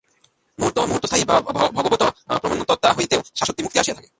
মুহূর্তস্থায়ী ভগবৎ-প্রেমোন্মত্ততা হইতেও শাশ্বতী মুক্তি আসিয়া থাকে।